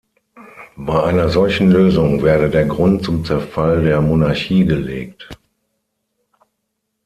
Bei einer solchen Lösung werde der "Grund zum Zerfall der Monarchie gelegt".